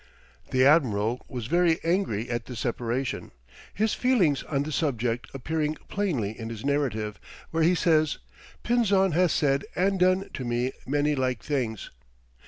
The admiral was very angry at this separation, his feelings on the subject appearing plainly in his narrative, where he says, "Pinzon has said and done to me many like things."